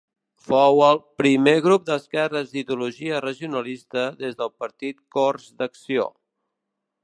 Fou el primer grup d'esquerres d'ideologia regionalista des del Partit Cors d'Acció.